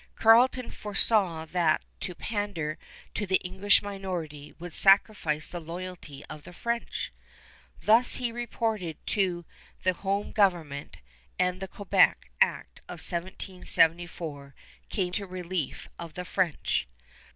Carleton foresaw that to pander to the English minority would sacrifice the loyalty of the French. Thus he reported to the home government, and the Quebec Act of 1774 came to the relief of the French.